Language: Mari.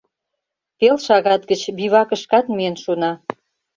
Пел шагат гыч бивакышкат миен шуна.